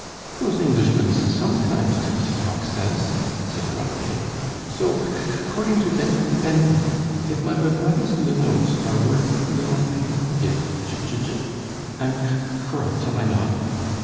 "Those Englishmen s sometimes t t talk sense," said Grandet. "So, ac c cording to Ben Bentham, if my b b brother's n notes are worth n n nothing; if Je Je I'm c c correct, am I not?